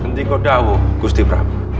ketika kau tahu gusti prabu